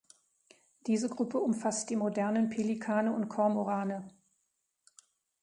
Diese Gruppe umfasst die modernen Pelikane und Kormorane.